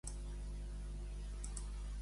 Què opina Rull de tot això?